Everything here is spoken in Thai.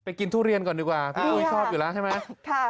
กินทุเรียนก่อนดีกว่าพี่อุ๊ยชอบอยู่แล้วใช่ไหม